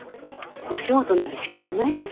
お仕事ならしかたないですから。